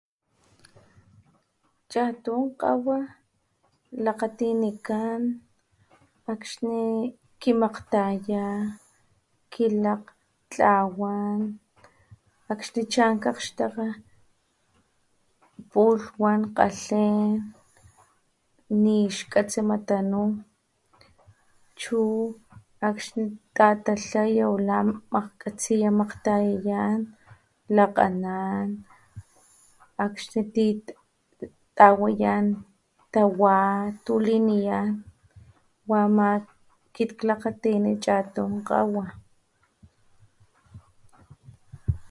Chatun kgawa lakgatinikan akxni kimakgtaya kilakgtlawan akxni chan nak kgakgxtakga pulh wan kgalhen nixkatsi ama tanu chu akxni tatatlaya o la makgkgtsiya makgtayayan lakganan akxni ti tawayan tawa tu liniyan wa ama akit klakgatini chatun kgawa